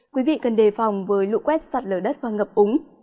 quý vị cần đề phòng với lũ quét sạt lở đất và ngập úng